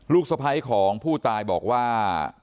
สะพ้ายของผู้ตายบอกว่า